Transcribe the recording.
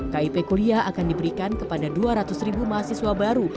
kip kuliah akan diberikan kepada dua ratus ribu mahasiswa baru